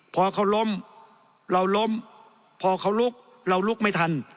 พอเขาล้มเราล้มพอเขาลุกเราลุกไม่ทัน